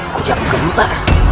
aku jadi gempa